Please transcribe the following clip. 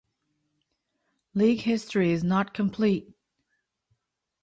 "League history is not complete"